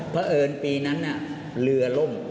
เพราะเอิญปีนั้นเรือล่ม